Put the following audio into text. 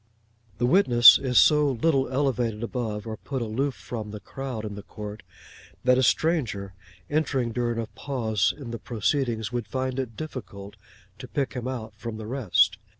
The witness is so little elevated above, or put aloof from, the crowd in the court, that a stranger entering during a pause in the proceedings would find it difficult to pick him out from the rest.